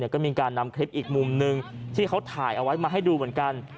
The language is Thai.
ก็มีการนำคลิปอีกมุมหนึ่งที่เขาถ่ายเอาไว้มาให้ดูเหมือนกัน